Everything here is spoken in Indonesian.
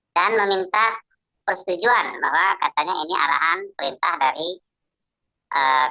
dan meminta persetujuan bahwa katanya ini arahan perintah dari kpuri